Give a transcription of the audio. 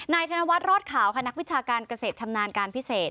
ธนวัฒนรอดขาวค่ะนักวิชาการเกษตรชำนาญการพิเศษ